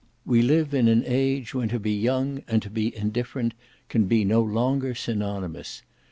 We live in an age when to be young and to be indifferent can be no longer synonymous.